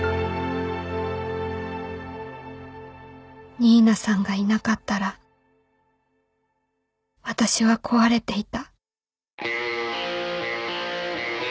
新名さんがいなかったら私は壊れていた